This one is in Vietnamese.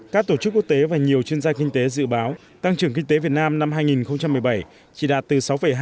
các tổ chức quốc tế và nhiều chuyên gia kinh tế dự báo tăng trưởng kinh tế việt nam năm hai nghìn một mươi bảy chỉ đạt từ sáu hai mươi sáu